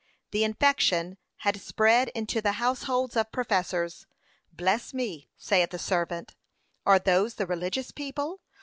p. 534. The infection had spread into the households of professors. 'Bless me, saith a servant, are those the religious people!